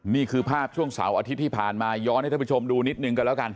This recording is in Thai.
นี่คือภาพช่วงเสาร์อาทิตย์ที่ผ่านมาย้อนให้ท่านผู้ชมดูนิดนึงกันแล้วกัน